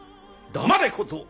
黙れ小僧！